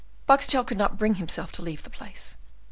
Boxtel could not bring himself to leave the place.